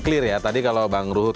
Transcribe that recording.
clear ya tadi kalau bang ruhut